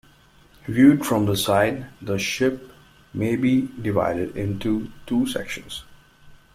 Viewed from the side, the ship may be divided into two sections.